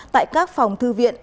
tại các phòng thư viện